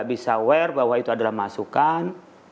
bisa aware bahwa itu adalah masukan